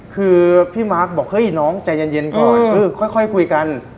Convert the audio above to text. คือพี่มาร์คบอกเฮ้ยน้องใจเย็นก่อนเออค่อยคุยกัน